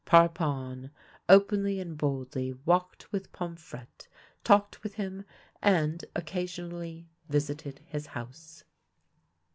Parpon openly and boldly walked with Pomfrette, talked with him, and occasionally visited his house.